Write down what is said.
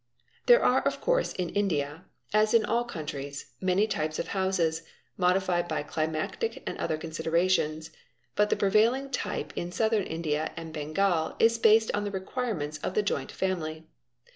7 There are of course in India, as in all countries, many types of — houses, modified by climatic and other considerations, but the prevailing — type in Southern India and Bengal is based on the requirements of the joint family.